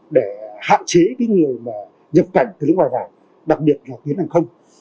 để hạn chế người nhập cảnh từ lĩnh vực ngoài vải đặc biệt là tiến hàng không